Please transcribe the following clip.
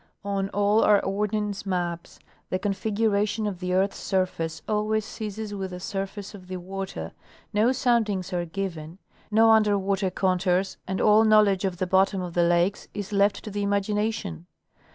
On all our ordnance maps the configuration of the earth's surface always ceases with the surface of the water; no soundings are given, no under Avater contours, and all knowledge of the bottom of the lakes is left to the imagination.